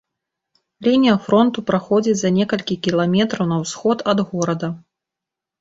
Лінія фронту праходзіць за некалькі кіламетраў на ўсход ад горада.